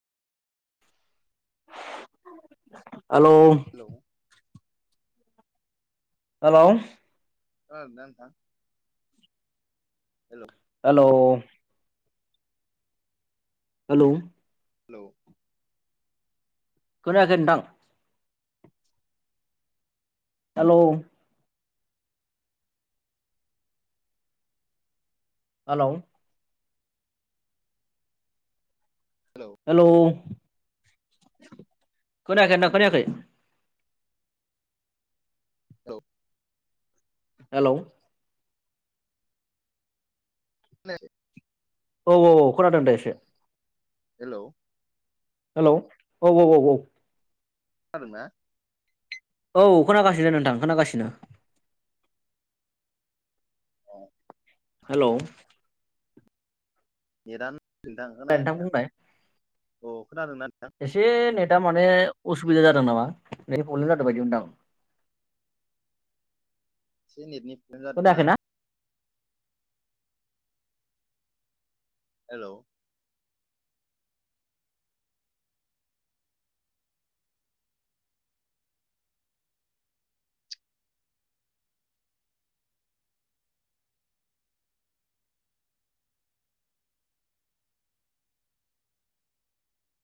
Hello. Hello. Hello. खोनादों ना नोंथां? हेल'। हेलौ। हेलौ। हेलौ। खोनाखै नोंथां। हेलौ। हेलौ। हेलौ। हेलौ खोनाखै नोंथां खोनाखै। [unintelligible] हेलौ। खोनायाखै। औ औ औ खोनादों दे एसे। हेलौ। हेलौ औ औ औ औ। खोनादोंना? औ खोनागासिनो नोंथां खोनागासिनो। औ। हेलौ। नेटानो नोंथां दे होनायाखै आं बुंनाय अ खोनादोंना नोंथां? एसे नेटआ माने असुबिदा जादों नामा? नेट प्रब्लेम जादों बायदि मोनदां। एसे नेटनि खोनायाखैना [unintelligible] हेल'